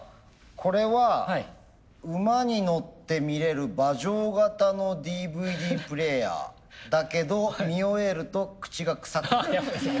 これは馬に乗って見れる馬上型のＤＶＤプレーヤーだけど見終えると口がくさくなる。